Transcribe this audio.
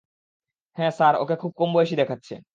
হ্যাঁ, sir, okay খুব কম বয়সী দেখাচ্ছে।